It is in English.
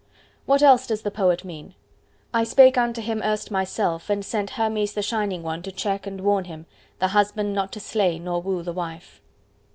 What else does the poet mean:— I spake unto him erst Myself, and sent Hermes the shining One, to check and warn him, The husband not to slay, nor woo the wife!